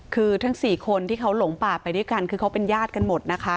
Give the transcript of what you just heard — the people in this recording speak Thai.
คือทั้ง๔คนที่เขาหลงป่าไปด้วยกันคือเขาเป็นญาติกันหมดนะคะ